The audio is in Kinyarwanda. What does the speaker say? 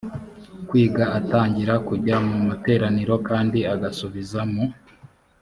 kwiga atangira kujya mu materaniro kandi agasubiza mu